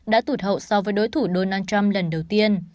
đã tụt hậu so với đối thủ donald trump lần đầu tiên